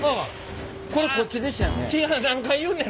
これこっちでしたよね？